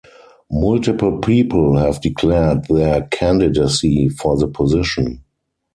Multiple people have declared their candidacy for the position.